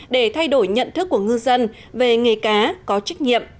để thay đổi nhận thức của ngư dân về nghề cá có trách nhiệm